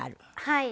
はい。